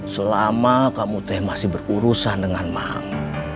selama kamu masih berurusan dengan mang